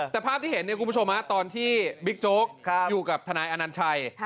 แต่ภาพที่เห็นคุณผู้ชมตอนที่บิ๊กโจ๊กอยู่กับทนายอนัญชัย